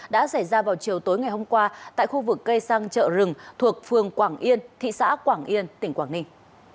đã xảy ra vào chiều tối ngày hôm qua tại khu vực cây xăng chợ rừng thuộc phường quảng yên thị xã quảng yên tỉnh quảng ninh